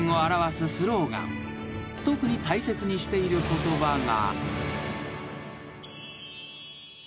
［特に大切にしている言葉が］